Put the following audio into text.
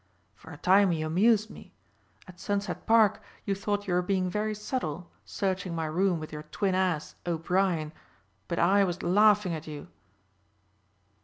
For a time you amused me. At Sunset Park you thought you were being very subtle searching my room with your twin ass, O'Brien, but I was laughing at you."